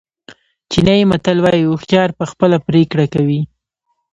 چینایي متل وایي هوښیار په خپله پرېکړه کوي.